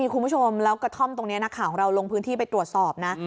คุณผู้ชมแล้วกระท่อมตรงนี้นักข่าวของเราลงพื้นที่ไปตรวจสอบนะ